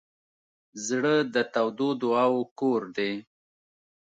زړه د تودو دعاوو کور دی.